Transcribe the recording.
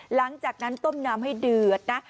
หลังจากนั้นต้มน้ำให้เดือดนะ